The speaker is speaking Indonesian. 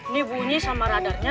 nih bunyi sama radarnya